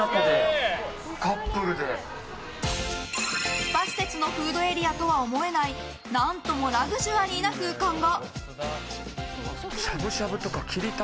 スパ施設のフードエリアとは思えない何ともラグジュアリーな空間が。